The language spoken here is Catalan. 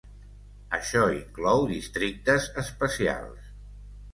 Això inclou districtes especials.